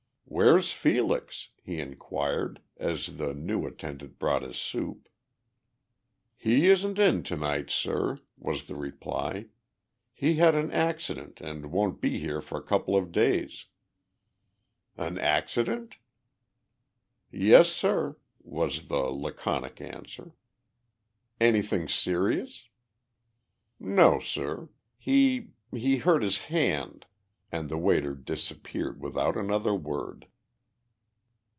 "Where's Felix?" he inquired, as the new attendant brought his soup. "He isn't on to night, sir," was the reply. "He had an accident and won't be here for a couple of days." "An accident?" "Yes, sir," was the laconic answer. "Anything serious?" "No, sir. He he hurt his hand," and the waiter disappeared without another word.